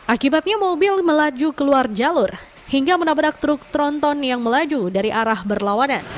akibatnya mobil melaju keluar jalur hingga menabrak truk tronton yang melaju dari arah berlawanan